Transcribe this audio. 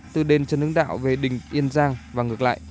tư đền trần hương đạo về đình yên giang và ngược lại